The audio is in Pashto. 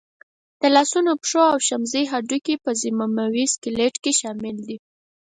د لاسنونو، پښو او شمزۍ هډوکي په ضمیموي سکلېټ کې شامل دي.